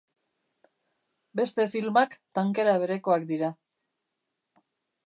Beste filmak tankera berekoak dira.